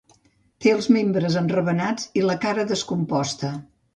Té els membres enravenats i la cara descomposta.